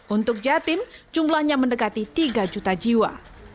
untuk jatim jumlahnya mendekati tiga juta jiwa